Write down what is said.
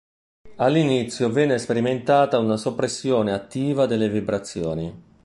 All’inizio venne sperimentata una soppressione attiva delle vibrazioni.